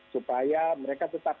supaya mereka tetap